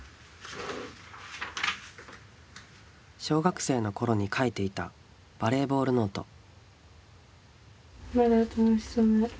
小学生の頃に書いていたバレーボールノート。